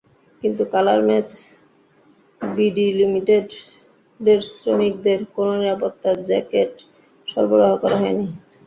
কিন্তু colour match BD লিমিটেডের শ্রমিকদের কোনো নিরাপত্তা জ্যাকেট সরবরাহ করা হয়নি।